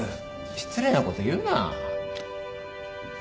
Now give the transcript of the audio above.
失礼なこと言うな。